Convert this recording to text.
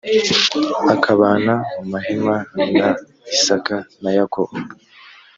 akabana mu mahema na isaka na yakobo